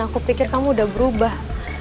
aku pikir kamu udah berubah